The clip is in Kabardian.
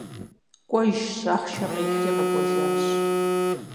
КӀуэжщ, ахъшэ къихьри къэкӀуэжащ.